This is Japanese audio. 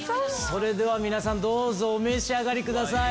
それでは皆さんどうぞお召し上がりください。